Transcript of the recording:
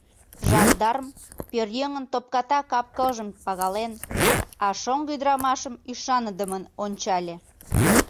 Жандарм пӧръеҥын топката кап-кылжым пагален, а шоҥго ӱдырамашым ӱшаныдымын ончале.